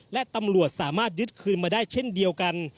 และตำรวจสามารถยึดคืนมาได้เช่นเดียวกัน